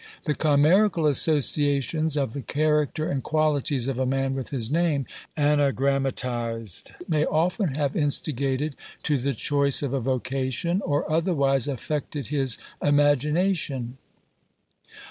The chimerical associations of the character and qualities of a man with his name anagrammatised may often have instigated to the choice of a vocation, or otherwise affected his imagination.